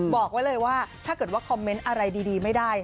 บอกไว้เลยว่าถ้าเกิดว่าคอมเมนต์อะไรดีไม่ได้